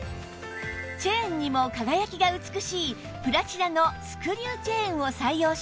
チェーンにも輝きが美しいプラチナのスクリューチェーンを採用しました